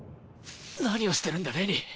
何をしてるんだレニー！